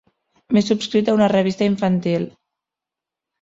M'he subscrit a una revista infantil.